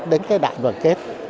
đến cái đại đoàn kết